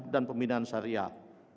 dan pembinaan sariah